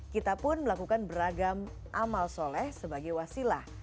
kita pun melakukan beragam amal soleh sebagai wasilah